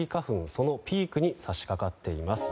そのピークに差し掛かっています。